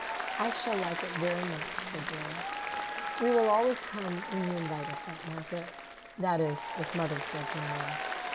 "I shall like it very much," said Dora. "We will always come when you invite us, Aunt Margaret. That is, if Mother says we may."